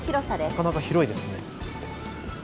なかなか広いですね。